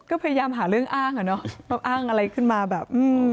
ก็พยายามหาเรื่องอ้างเหรออ้างอะไรขึ้นมาแบบ